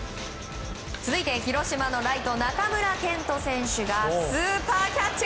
続いて広島のライト中村健人選手がスーパーキャッチ。